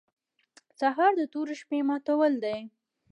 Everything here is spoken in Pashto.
سهار د تورې شپې ماتول دي.